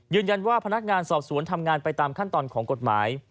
พนักงานสอบสวนทำงานไปตามขั้นตอนของกฎหมาย